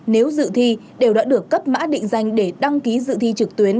nếu dự thi đều đã được cấp mã định danh để đăng ký dự thi trực tuyến